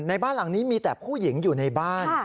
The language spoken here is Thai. ในบ้านหลังนี้มีแต่ผู้หญิงอยู่ในบ้าน